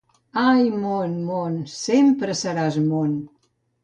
Ai, món, món! Sempre seràs món!